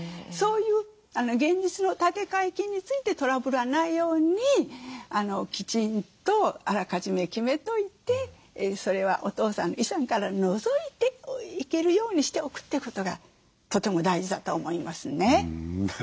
そういう現実の立て替え金についてトラブらないようにきちんとあらかじめ決めといてそれはお父さんの遺産から除いていけるようにしておくということがとても大事だと思いますね。